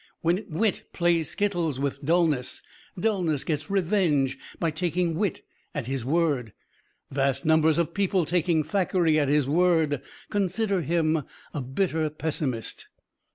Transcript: When wit plays skittles with dulness, dulness gets revenge by taking wit at his word. Vast numbers of people taking Thackeray at his word consider him a bitter pessimist.